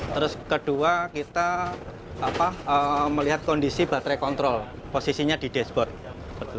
terus kedua kita melihat kondisi baterai kontrol posisinya di dashboard